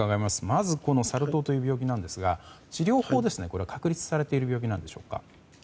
まずサル痘という病気なんですが治療法は確立されている病気なんでしょうか？